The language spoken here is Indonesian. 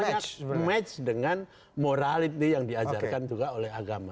saya match dengan morality yang diajarkan juga oleh agama